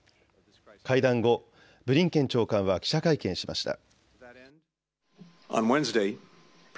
会談後、ブリンケン長官は記者会見しました。